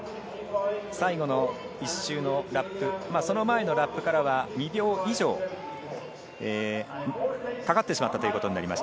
最後の１周のラップ、その前のラップからは２秒以上かかってしまったということです。